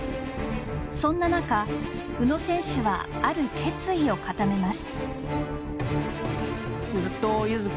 そんな中宇野選手はある決意を固めます。